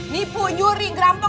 nipu nyuri grampok